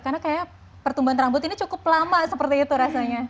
karena kayak pertumbuhan rambut ini cukup lama seperti itu rasanya